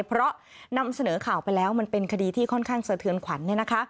เพราะนำเสนอข่าวไปแล้วมันเป็นคดีที่ค่อนข้างสะเทือนขวัญ